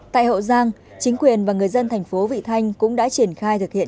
tại hậu giang chính quyền và người dân thành phố vị thanh cũng đã triển khai thực hiện